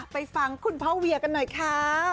ไปฟังคุณพ่อเวียกันหน่อยค่ะ